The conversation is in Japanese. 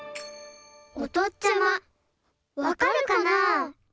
おとっちゃまわかるかな？